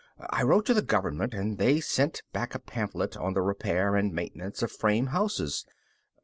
I wrote to the Government, and they sent back a pamphlet on the repair and maintenance of frame houses.